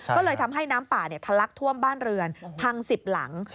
ก็เลยทำให้น้ำป่าทะลักท่วมบ้านเรือนพัง๑๐หลัง